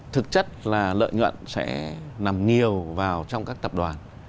thực chất là lợi nhuận sẽ nằm nhiều vào trong các tập đoàn